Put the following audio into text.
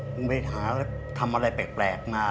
มึงไปหาทำอะไรแปลกมา